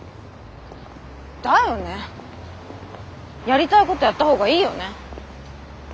やりたいことやった方がいいよね？